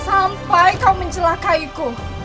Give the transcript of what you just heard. sampai kau mencelakaiku